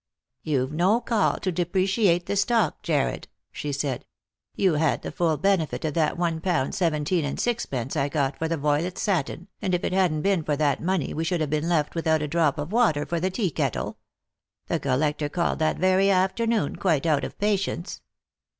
" You've no call to depreciate the stock, Jarred," she said. " Tou had the full benefit of that one pound seventeen and sixpence I got for the voylet satin, and if it hadn't been for that money we should have been left without a drop of water for the tea kettle. The collector called that very afternoon, quite out of patience."